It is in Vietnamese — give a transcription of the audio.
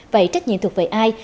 vậy trách nhiệm thuộc về ai